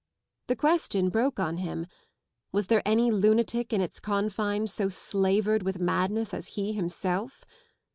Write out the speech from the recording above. The question broke on him ŌĆö was there any lunatic in its confines so slavered with madness as he himself?